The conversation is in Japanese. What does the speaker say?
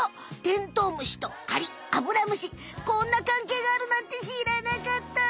テントウムシとアリアブラムシこんな関係があるなんてしらなかった！